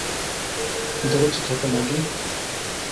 ধরেছি তোকে, মাগি।